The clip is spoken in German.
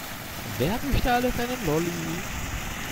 Wer möchte alles einen Lolli?